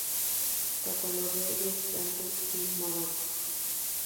Catalogue des Plantes du Maroc.